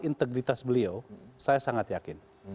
integritas beliau saya sangat yakin